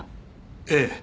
ええ。